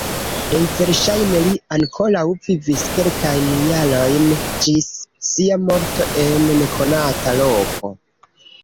Plej verŝajne li ankoraŭ vivis kelkajn jarojn ĝis sia morto en nekonata loko.